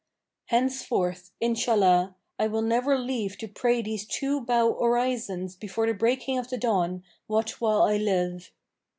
Henceforth, Inshallah, I will never leave to pray these two bow orisons before the breaking of the dawn, what while I live."